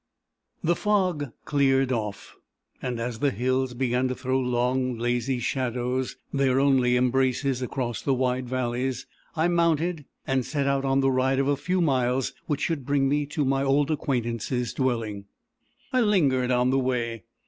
_ The fog cleared off; and, as the hills began to throw long, lazy shadows, their only embraces across the wide valleys, I mounted and set out on the ride of a few miles which should bring me to my old acquaintance's dwelling. I lingered on the way.